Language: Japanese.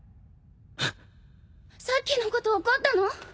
さっきのこと怒ったの？